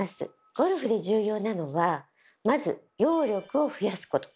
ゴルフで重要なのはまず揚力を増やすこと。